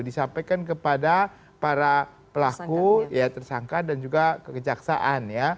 disampaikan kepada para pelaku tersangka dan juga kekejaksaan ya